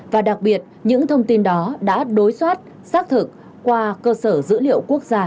và đặc biệt những thông tin đó đã đối soát xác thực qua cơ sở dữ liệu quốc gia